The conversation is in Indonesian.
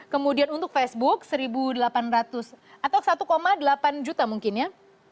kemudian untuk facebook satu delapan ratus atau satu delapan juta mungkin ya